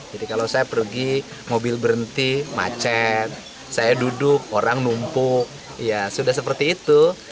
jadi kalau saya pergi mobil berhenti macet saya duduk orang numpuk ya sudah seperti itu